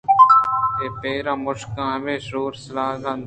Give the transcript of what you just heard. اے پِیراں مُشک ءِ ہمے شور ءُ سَلاہاں رند